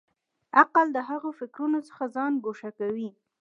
عقل د هغو فکرونو څخه ځان ګوښه کوي.